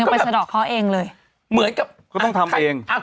มันก็แบบไปสะดอกเค้าเองเลยเหมือนกับก็ต้องทำเองอ่ะ